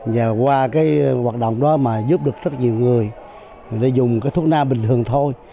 và qua cái hoạt động đó mà giúp được rất nhiều người để dùng cái thuốc na bình thường thôi